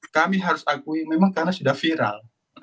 kami harus akui memang karena sudah viral